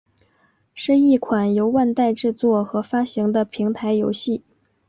是一款由万代制作和发行的平台游戏。